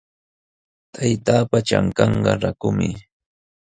Taytaapa trankanqa rakumi.